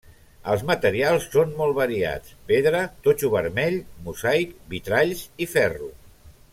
Els materials són molt variats: pedra, totxo vermell, mosaic, vitralls i ferro.